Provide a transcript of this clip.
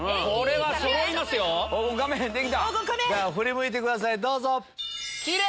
振り向いてくださいどうぞ。